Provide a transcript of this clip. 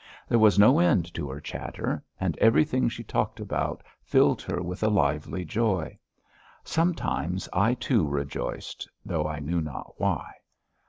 There was no end to her chatter, and everything she talked about filled her with a lively joy. Sometimes I, too, rejoiced, though I knew not why.